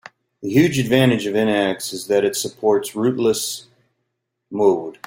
The huge advantage of NX is that it supports "rootless" mode.